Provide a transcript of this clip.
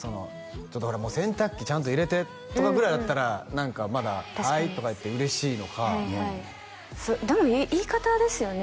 「ちょっとほら洗濯機ちゃんと入れて」とかぐらいだったら何かまだ「はい」とか言って嬉しいのかはいはいでも言い方ですよね